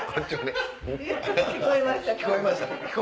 聞こえました。